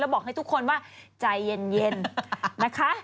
บอกให้ทุกคนว่าใจเย็นนะคะ